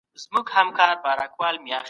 ډیپلوماټیکي خبري د جنجالونو مخه نیسي.